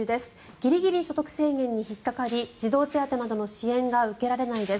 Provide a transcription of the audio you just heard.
ギリギリ所得制限に引っかかり児童手当などの支援が受けられないです。